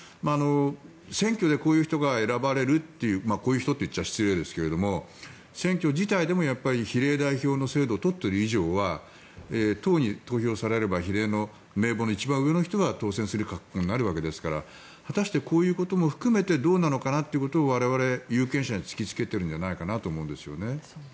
選挙でこういう人が選ばれるというこういう人と言っちゃ失礼ですが選挙自体でも比例代表の制度を取っているので党に投票されれば比例の名簿の一番上の人が当選することになるわけですからこういうことも含めてどうなのかなということは我々有権者に突きつけているんじゃないかと思います。